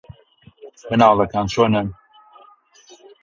منداڵەکان چۆنن؟